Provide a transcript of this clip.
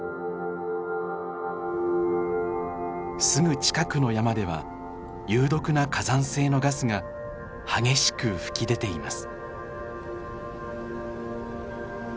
すぐ近くの山では有毒な火山性のガスが激しく噴き出ています。